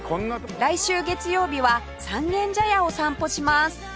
来週月曜日は三軒茶屋を散歩します